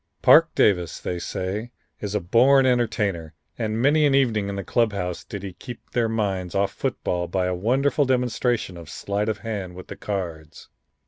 Parke Davis, they say, is a born entertainer, and many an evening in the club house did he keep their minds off football by a wonderful demonstration of sleight of hand with the cards.